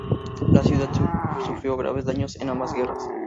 La ciudad sufrió graves daños en ambas guerras.